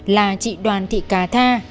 là chị đoàn thị cà tha